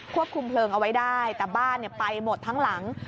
ควบคุมเพลิงเอาไว้ได้แต่บ้านไปหมดทั้งหลัง